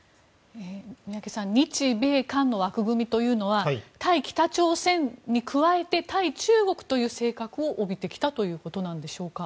宮家さん日米韓の枠組みというのは対北朝鮮に加えて対中国という性格を帯びてきたということでしょうか？